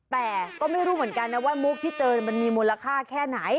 แต่ก็ไม่รู้เหมือนกันนะว่ามุกที่เจอมันมีมูลค่าแค่ไหน